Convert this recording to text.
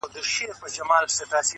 خدای راکړي تېزي سترگي غټ منگول دئ.!